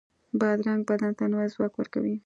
بادرنګ بدن ته نوی ځواک ورکوي.